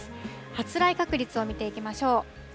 発雷確率を見ていきましょう。